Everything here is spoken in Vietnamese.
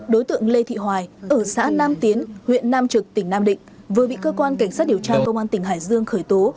đối tượng lê thị hoài ở xã nam tiến huyện nam trực tỉnh nam định vừa bị cơ quan cảnh sát điều tra công an tỉnh hải dương khởi tố